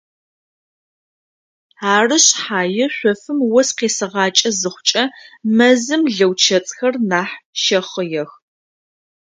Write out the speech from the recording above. Ары шъхьае шъофым ос къесыгъакӏэ зыхъукӏэ мэзым лэучэцӏхэр нахь щэхъыех.